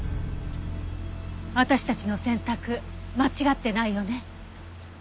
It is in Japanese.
私たちの選択間違ってないよね？